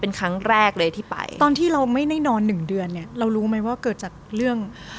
เป็นครั้งแรกเลยที่ไปตอนที่เราไม่ได้นอนหนึ่งเดือนเนี้ยเรารู้ไหมว่าเกิดจากเรื่อง